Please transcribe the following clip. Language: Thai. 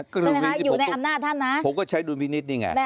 ใช่ไหมคะอยู่ในอำนาจท่านนะผมก็ใช้ดุลพินิษฐ์นี่ไง